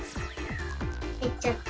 へっちゃった。